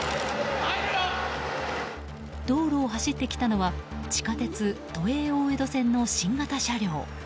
道路を走ってきたのは地下鉄、都営大江戸線の新型車両。